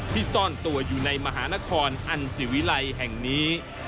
ซ่อนตัวอยู่ในมหานครอันสิวิลัยแห่งนี้